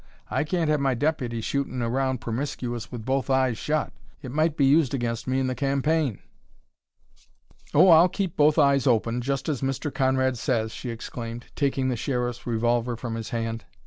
I can't have my deputy shootin' around promiscuous with both eyes shut. It might be used against me in the campaign." "Oh, I'll keep both eyes open, just as Mr. Conrad says," she exclaimed, taking the Sheriff's revolver from his hand.